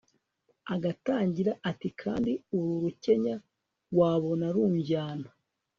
agatangira ati kandi uru rukenya wabona runjyana